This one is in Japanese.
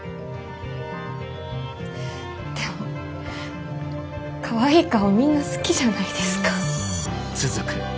でもかわいい顔みんな好きじゃないですか。